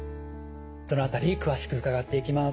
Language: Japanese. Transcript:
その辺り詳しく伺っていきます。